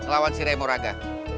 lawan si remoraga